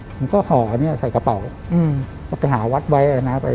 ผมก็ห่อเนี่ยใส่กระเป๋าก็ไปหาวัดไว้นะ